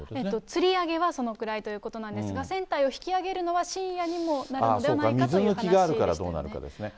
つり上げはそのくらいということなんですが、船体を引き揚げるのは深夜にもなるのではないかという話でしたね。